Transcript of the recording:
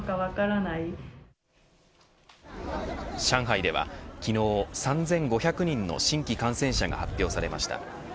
上海では昨日３５００人の新規感染者が発表されました。